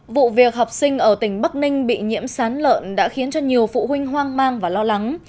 vụ việc học sinh ở tỉnh bắc ninh bị nhiễm sán lợn đã khiến cho nhiều phụ huynh hoang mang và lo lắng